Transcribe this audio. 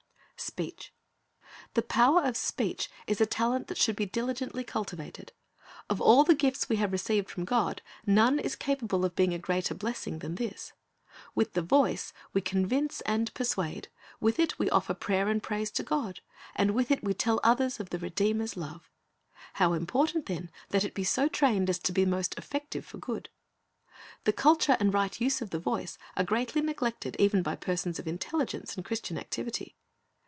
SPEECH The power of speech is a talent that should be diligently cultivated. Of all the gifts we have received from God, none is capable of being a greater blessing than this. With the voice we convince and persuade; with it we offer prayer and praise to God, and with it we tell others of the Redeemer's love. How important, then, that it be so trained as to be most effective for good. The culture and right use of the voice are greatly neglected, even by persons of intelligence and Christian activity.